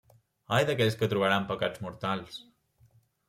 Ai d’aquells que trobarà en pecats mortals!